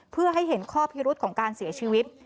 เพื่อให้เห็นข้อพิรุษของการเสียชีวิต